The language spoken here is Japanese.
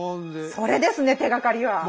それですね手がかりは。